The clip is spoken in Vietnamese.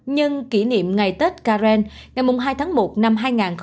nhân kỷ niệm ngày tết karen ngày hai tháng một năm hai nghìn hai mươi